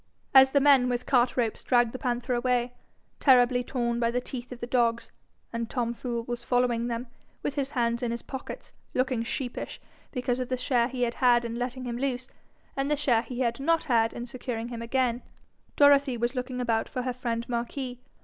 As the men with cart ropes dragged the panther away, terribly torn by the teeth of the dogs, and Tom Fool was following them, with his hands in his pockets, looking sheepish because of the share he had had in letting him loose, and the share he had not had in securing him again, Dorothy was looking about for her friend Marquis.